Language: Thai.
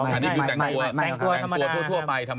อะไรเพราะว่าอันนี้เป็นจงแต่งตัว